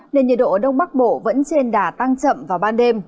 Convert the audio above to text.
nên nhiệt độ ở đông bắc bộ vẫn trên đà tăng chậm vào ban đêm